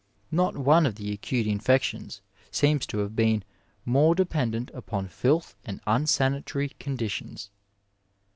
Not one of the acute infections seems to have been more dependent upon filth and unsanitary conditions.